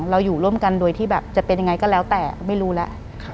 เราอยู่ร่วมกันโดยที่แบบจะเป็นยังไงก็แล้วแต่ไม่รู้แล้ว